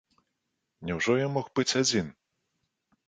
Няўжо я мог быць адзін?